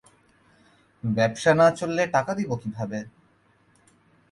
ব্যাবসা না চললে টাকা দিবো কিভাবে?